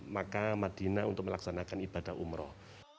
maka madinah untuk melaksanakan ibadah umroh